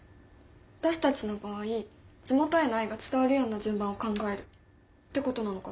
私たちの場合地元への愛が伝わるような順番を考えるってことなのかな。